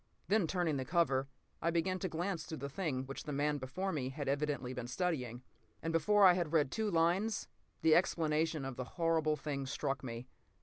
Then, turning the cover, I began to glance through the thing which the man before me had evidently been studying. And before I had read two lines, the explanation of the whole horrible thing struck me.